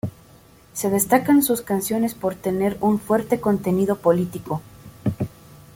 Se destacan sus canciones por tener un fuerte contenido político.